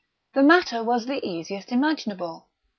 The matter was the easiest imaginable.